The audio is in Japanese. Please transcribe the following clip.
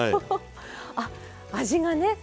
あっ味がね。